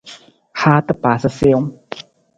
Haata paasa siwung.